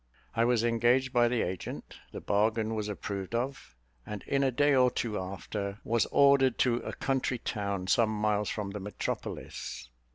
I was engaged by the agent, the bargain was approved of, and in a day or two after, was ordered to a country town, some miles from the metropolis.